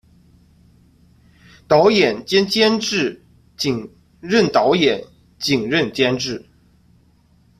导演兼监制仅任导演仅任监制